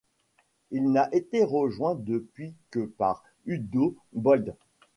Il n'a été rejoint depuis que par Udo Bölts.